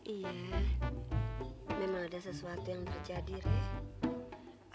iya memang ada sesuatu yang terjadi rek